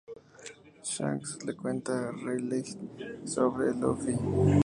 Shanks le cuenta a Rayleigh sobre Luffy.